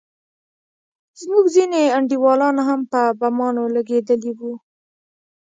زموږ ځينې انډيولان هم په بمانو لگېدلي وو.